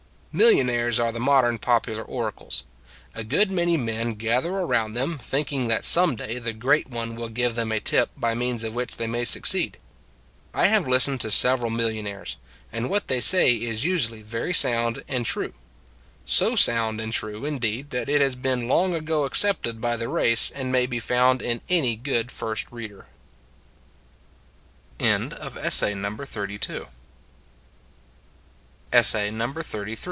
Millionaires are the modern popular oracles; a good many men gather around them, thinking that some day the great one will give them a tip by means of which they may succeed. I have listened to several millionaires; and what they say is usually very sound and true so sound and true, indeed, that it has been long ago accepted by the race and may be found in any good first reader.